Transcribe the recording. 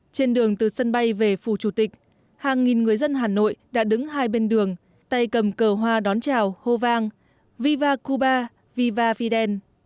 trên đường từ sân bay về phủ chủ tịch hàng nghìn người dân hà nội đã đứng hai bên đường tay cầm cờ hoa đón chào hô vang viva cuba viva fidel